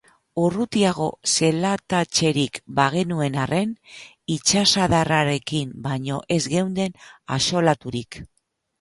Urrutiago zelatatzerik bagenuen arren, itsasadarrarekin baino ez geunden axolaturik.